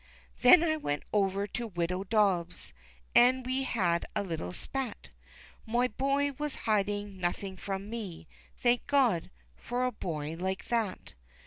Then I went over to widow Dobbs, An' we had a little spat, My boy was hiding nothing from me, Thank God! for a boy like that.